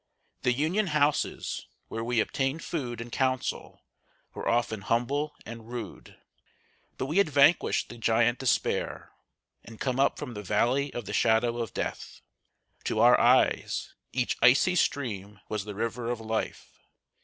The Union houses, where we obtained food and counsel, were often humble and rude. But we had vanquished the Giant Despair, and come up from the Valley of the Shadow of Death. To our eyes, each icy stream was the River of Life.